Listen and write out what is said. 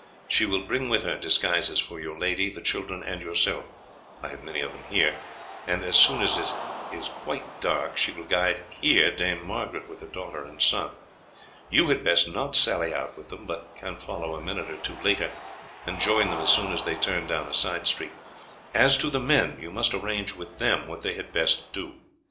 She will bring with her disguises for your lady, the children, and yourself I have many of them here and as soon as it is quite dark she will guide here Dame Margaret with her daughter and son. You had best not sally out with them, but can follow a minute or two later and join them as soon as they turn down a side street. As to the men, you must arrange with them what they had best do.